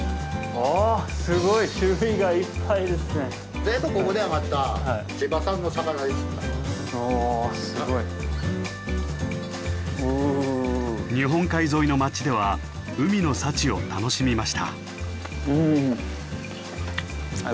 おすごい。日本海沿いの町では海の幸を楽しみました。